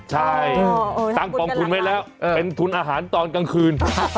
ใช่ตั้งกองทุนไว้แล้วเป็นทุนอาหารตอนกลางคืน